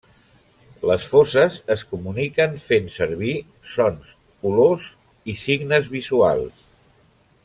Les fosses es comuniquen fent servir sons, olors i signes visuals.